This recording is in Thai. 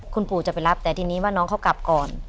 คุณปู่จะไปรับแต่ทีนี้ว่าน้องเขากลับก่อน